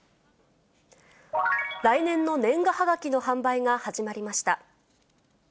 来年の年賀はがきの販売が始まりました。